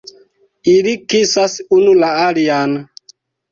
Ili kisas unu la alian!